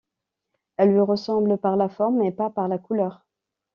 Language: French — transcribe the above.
Elle lui ressemble par la forme, mais pas par la couleur.